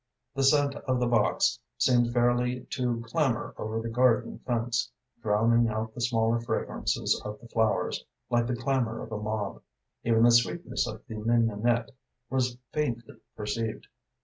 The scent of the box seemed fairly to clamor over the garden fence, drowning out the smaller fragrances of the flowers, like the clamor of a mob. Even the sweetness of the mignonette was faintly perceived.